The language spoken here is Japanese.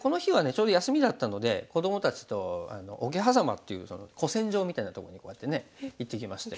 ちょうど休みだったので子どもたちと桶狭間っていう古戦場みたいなとこにこうやってね行ってきまして。